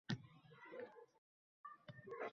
Yakunlovchi qoidalar